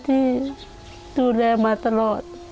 ที่ดูแลมาตลอด